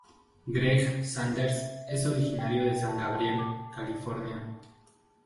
Greg Sanders es originario de San Gabriel, California.